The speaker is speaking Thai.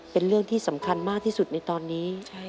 เป็นเรื่องที่สำคัญมากที่สุดในตอนนี้